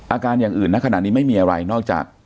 อย่างอื่นนะขณะนี้ไม่มีอะไรนอกจาก